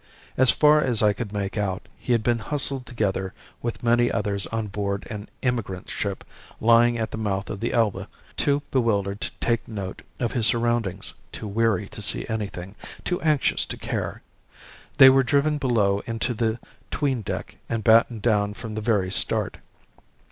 As far as I could make out, he had been hustled together with many others on board an emigrant ship lying at the mouth of the Elbe, too bewildered to take note of his surroundings, too weary to see anything, too anxious to care. They were driven below into the 'tweendeck and battened down from the very start.